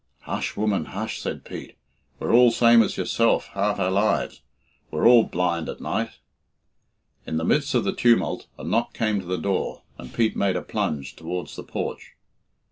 "Hush, woman, hush," said Pete; "we're all same as yourself half our lives we're all blind at night." In the midst of the tumult a knock came to the door, and Pete made a plunge towards the porch.